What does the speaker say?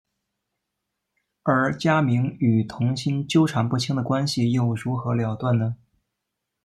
而家明与童昕纠缠不清的关系又如何了断呢？